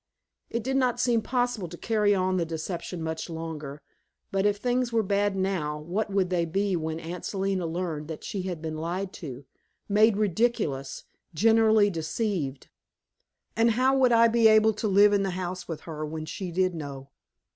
It did not seem possible to carry on the deception much longer, but if things were bad now, what would they be when Aunt Selina learned she had been lied to, made ridiculous, generally deceived? And how would I be able to live in the house with her when she did know?